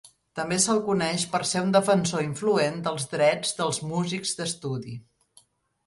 També se'l coneix per ser un defensor influent dels drets dels músics d'estudi.